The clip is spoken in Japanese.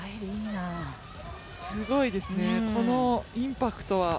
すごいですね、このインパクトは。